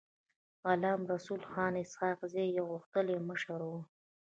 غلام رسول خان اسحق زی يو غښتلی مشر و.